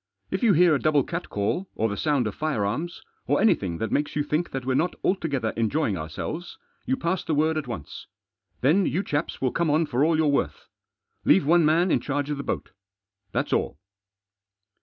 If you hear a double catcall, or the sound of firearms, or anything that makes you think that we're not altogether enjoying ourselves, you pass the word at once. Then you chaps will come on for all you're worth. Leave one man in charge of the boat ; that's all."